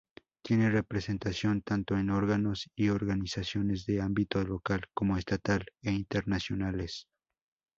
Tiene representación tanto en órganos y organizaciones de ámbito local, como estatal e internacionales.